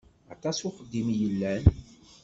Aṭas uxeddim i yellan.